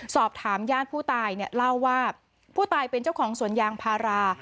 สอบถามญาติผู้ตายเนี่ยเล่าว่าผู้ตายเป็นเจ้าของสวนยางพารา